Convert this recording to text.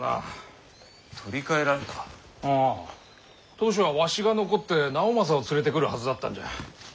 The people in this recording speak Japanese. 当初はわしが残って直政を連れてくるはずだったんじゃ。